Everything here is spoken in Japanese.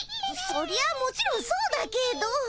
そりゃもちろんそうだけど。